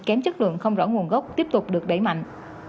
kém chất lượng không rõ nguồn gốc tiếp tục được đẩy mạnh